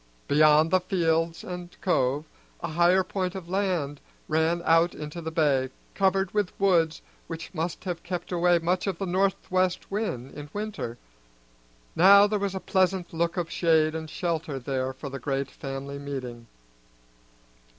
Beyond the fields and cove a higher point of land ran out into the bay, covered with woods which must have kept away much of the northwest wind in winter. Now there was a pleasant look of shade and shelter there for the great family meeting.